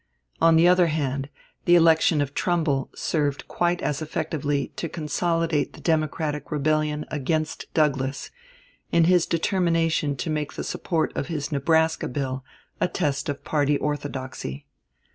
On the other hand, the election of Trumbull served quite as effectively to consolidate the Democratic rebellion against Douglas in his determination to make the support of his Nebraska bill a test of party orthodoxy.